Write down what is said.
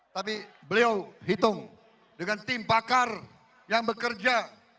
tapi beliau hitung dengan tim pakar yang bekerja